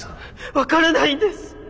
分からないんです。